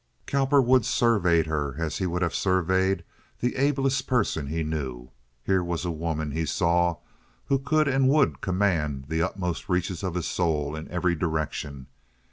Cowperwood surveyed her as he would have surveyed the ablest person he knew. Here was a woman, he saw, who could and would command the utmost reaches of his soul in every direction.